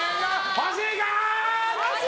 欲しいぞ！